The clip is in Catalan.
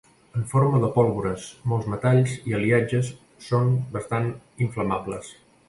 En forma de pólvores, molts metalls i aliatges són bastant inflamables.